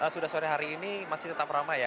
sudah sore hari ini masih tetap ramai ya